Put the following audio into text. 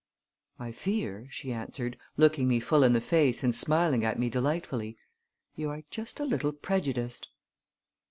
"I fear," she answered, looking me full in the face and smiling at me delightfully, "you are just a little prejudiced."